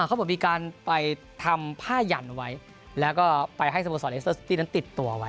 เขาบอกมีการไปทำผ้ายันไว้แล้วก็ไปให้สโมสรเอสเตอร์สตี้นั้นติดตัวไว้